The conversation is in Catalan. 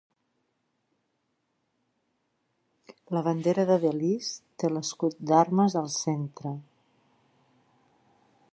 La bandera de Belize té l'escut d'armes al centre.